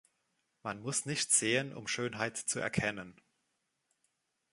Man muss nicht sehen, um Schönheit zu erkennen.